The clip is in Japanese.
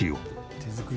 手作り塩。